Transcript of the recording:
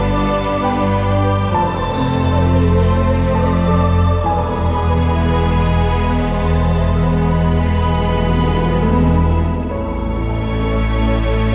bangun pak bangun